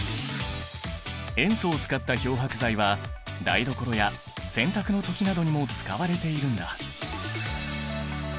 塩素を使った漂白剤は台所や洗濯の時などにも使われているんだ。